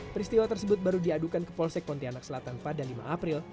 peristiwa tersebut baru diadukan ke polsek pontianak selatan pada lima april